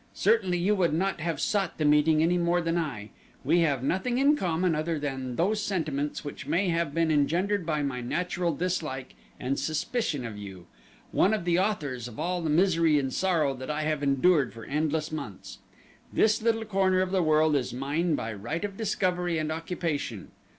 Certainly you would not have sought the meeting any more than I. We have nothing in common other than those sentiments which may have been engendered by my natural dislike and suspicion of you, one of the authors of all the misery and sorrow that I have endured for endless months. This little corner of the world is mine by right of discovery and occupation.